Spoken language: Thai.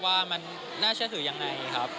ว่ามันน่าเชื่อถือยังไงครับ